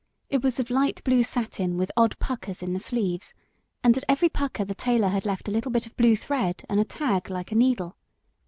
It was of light blue satin with odd puckers in the sleeves, and at every pucker the tailor had left a little bit of blue thread and a tag like a needle.